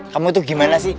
kamu tuh gimana sih